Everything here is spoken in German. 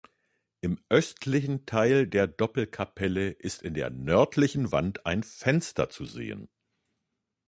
Im östlichen Teil der Doppelkapelle ist in der nördlichen Wand ein Fenster zu sehen.